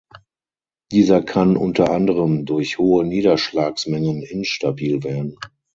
Dieser kann unter anderem durch hohe Niederschlagsmengen instabil werden.